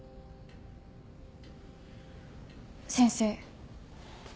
先生。